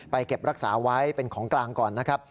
เก็บรักษาไว้เป็นของกลางก่อนนะครับ